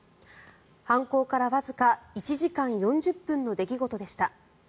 犯行からわずか１時間４０分の出来事でした。